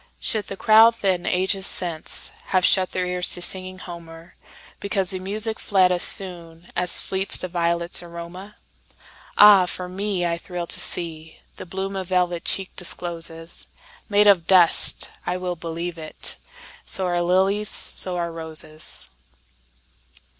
Should the crowd then, ages since, Have shut their ears to singing Homer, Because the music fled as soonAs fleets the violets' aroma? Ah, for me, I thrill to seeThe bloom a velvet cheek discloses, Made of dust—I well believe it! So are lilies, so are roses!